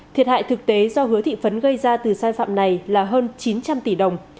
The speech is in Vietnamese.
thiệt hại thực tế do hứa thị phấn gây ra từ sai phạm này là hơn chín trăm linh tỷ đồng